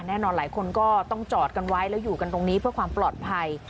แน่นอนหลายคนก็ต้องจอดกันไว้แล้วอยู่กันตรงนี้เพื่อความปลอดภัย